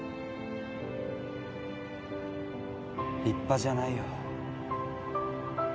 立派じゃないよ。